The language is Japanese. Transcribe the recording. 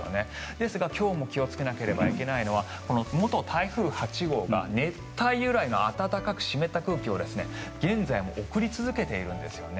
ですが、今日も気をつけなければいけないのはこの元台風８号が熱帯由来の暖かく湿った空気を現在も送り続けているんですよね。